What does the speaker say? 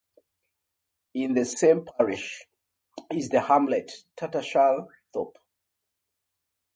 In the same parish is the hamlet of Tattershall Thorpe.